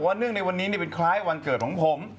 เนื่องในวันนี้เป็นคล้ายวันเกิดของผม